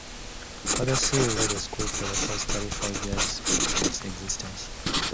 Father Sill led the school for the first thirty-five years of its existence.